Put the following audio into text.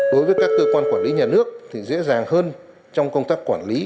đối với các cơ quan quản lý nhà nước thì dễ dàng hơn trong công tác quản lý